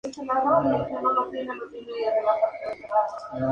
En una de dichas experiencias, la joven sintió el llamado a consagrarse como religiosa.